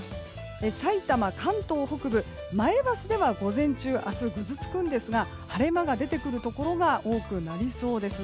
さいたま、関東北部前橋では午前中明日ぐずつくんですが晴れ間が出てくるところが多くなりそうです。